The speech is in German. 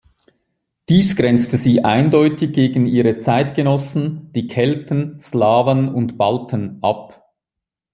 Dies grenzte sie eindeutig gegen ihre Zeitgenossen, die Kelten, Slawen und Balten ab.